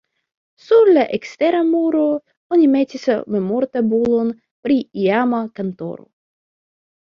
Sur la ekstera muro oni metis memortabulon pri iama kantoro.